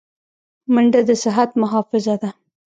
منډه د صحت محافظه ده